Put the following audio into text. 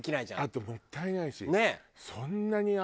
あともったいないし。